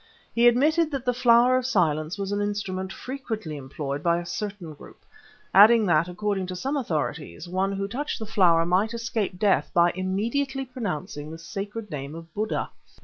He admitted that the Flower of Silence was an instrument frequently employed by a certain group, adding that, according to some authorities, one who had touched the flower might escape death by immediately pronouncing the sacred name of Buddha.